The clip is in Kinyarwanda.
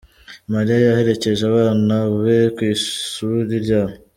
Mariya yaherekeje abana be kwishuri ryabo